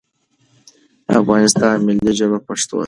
دا افغانستان ملی ژبه پښتو ده